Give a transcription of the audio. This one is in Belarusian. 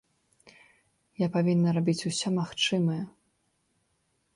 Я павінна рабіць усё магчымае.